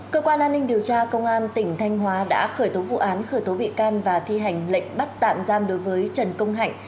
cơ quan an ninh điều tra công an tỉnh thanh hóa đã khởi tố vụ án khởi tố bị can và thi hành lệnh bắt tạm giam đối với trần công hạnh